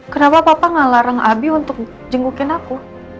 kenapa papa nggak larang abi untuk jengukin aku